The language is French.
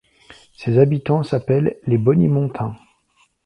Ses habitants s'appellent les bonnimontains.